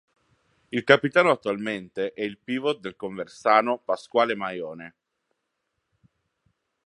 Il capitano attualmente è il pivot del Conversano Pasquale Maione.